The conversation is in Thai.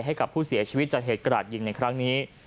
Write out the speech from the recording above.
ให้กับผู้เสียชีวิตจากเหตุกราดยิงในครั้งนี้